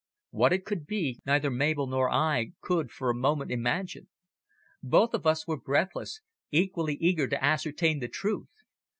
What it could be, neither Mabel nor I could for a moment imagine. Both of us were breathless, equally eager to ascertain the truth.